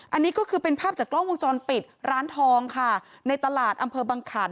อันนี้ก็คือเป็นภาพจากกล้องวงจรปิดร้านทองค่ะในตลาดอำเภอบังขัน